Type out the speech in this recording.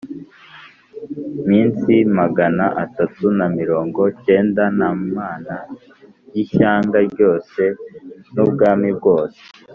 Minsi magana atatu na mirongo cyenda nta mana y ishyanga ryose n ubwami bwose